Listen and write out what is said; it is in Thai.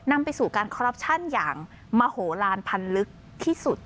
นำไปสู่การอย่างมโมโหลาลพันธุ์ลึกที่สุด